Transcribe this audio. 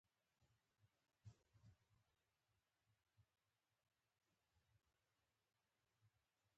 باد د سا د راتګ سبب دی